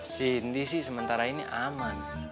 cindy sih sementara ini aman